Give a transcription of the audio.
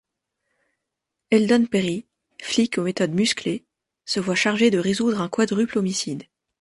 Eldon Perry, flic aux méthodes musclées, se voit chargé de résoudre un quadruple homicide.